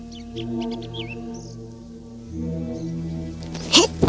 seorang yang memikirkan dirimu